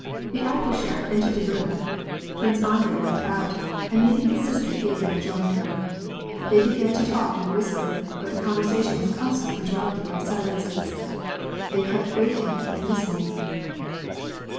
The accoucheur entered the room. Prince Andrei went out, and meeting his sister he again joined her. They began to talk in a whisper, but the con versation was constantly interrupted by silences. They kept waiting and listening.